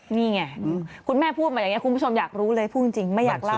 นี่ไงคุณแม่พูดมาอย่างนี้คุณผู้ชมอยากรู้เลยพูดจริงไม่อยากเล่า